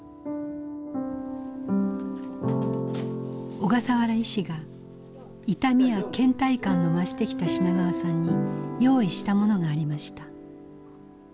小笠原医師が痛みやけん怠感の増してきた品川さんに用意したものがありました。